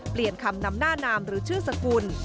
เปลี่ยนคำนำหน้านามหรือชื่อสกุล